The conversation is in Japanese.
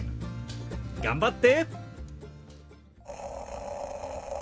頑張って！